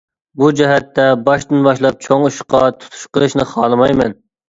بۇ جەھەتتە باشتىن باشلاپ چوڭ ئىشقا تۇتۇش قىلىشنى خالىمايمەن.